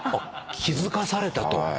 気付かされたと。